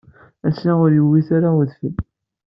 Ass-a ur yuwit ara udfel.